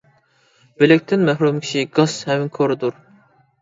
بىلىكتىن مەھرۇم كىشى گاس ھەم كوردۇر.